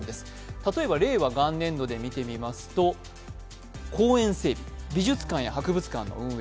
例えば、令和元年度で見てみますと公園整備、美術館や博物館の運営、